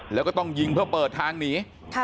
แล้วก็ต้องยิงเพื่อเปิดทางหนี